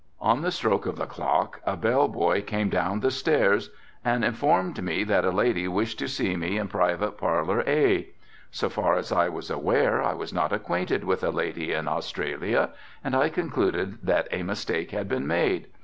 On the stroke of the clock a bell boy came down the stairs informed me that a lady wished to see me in private parlor "A." So far as I was aware I was not acquainted with a lady in Australia and I concluded that a mistake had been made.